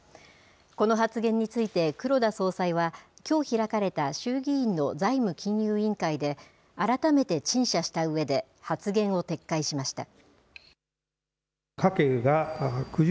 この発言について、黒田総裁はきょう開かれた衆議院の財務金融委員会で、改めて陳謝したうえで、発言を撤回しました。